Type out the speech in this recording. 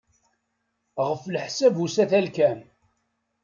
Ɣef leḥsab usatal kan.